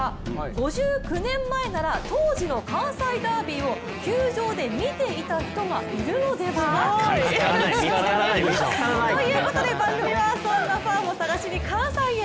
５９年前なら当時の関西ダービーを球場で見ていた人がいるのでは？ということで番組はそんなファンを探しに関西へ。